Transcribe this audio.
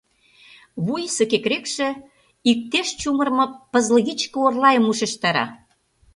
Вуйысо кекырекше иктеш чумырымо пызлыгичке орлайым ушештара.